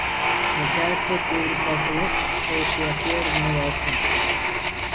The character proved popular, so she appeared more often.